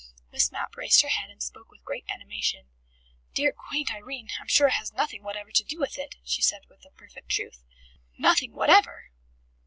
Miss Mapp raised her head and spoke with great animation. "Dear, quaint Irene, I'm sure, has nothing whatever to do with it," she said with perfect truth. "Nothing whatever!"